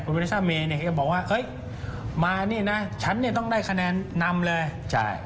โรเบรซ่าเมย์เนี่ยก็บอกว่าเฮ้ยมาเนี่ยนะฉันเนี่ยต้องได้คะแนนำเลย